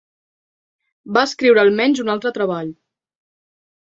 Va escriure almenys un altre treball.